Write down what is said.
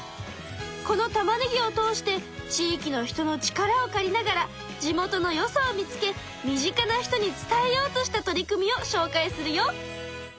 このたまねぎを通して地域の人の力を借りながら地元のよさを見つけ身近な人に伝えようとした取り組みをしょうかいするよ。